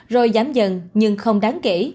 rồi giảm dần nhưng không đáng kể